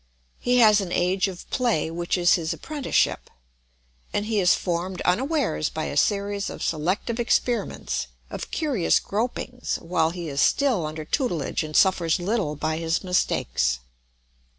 He has an age of play which is his apprenticeship; and he is formed unawares by a series of selective experiments, of curious gropings, while he is still under tutelage and suffers little by his mistakes.